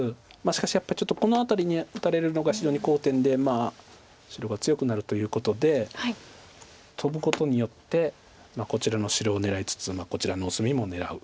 しかしやっぱちょっとこの辺りに打たれるのが非常に好点で白が強くなるということでトブことによってこちらの白を狙いつつこちらの薄みも狙う。